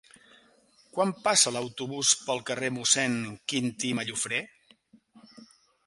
Quan passa l'autobús pel carrer Mossèn Quintí Mallofrè?